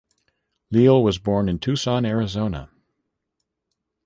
Leal was born in Tucson, Arizona.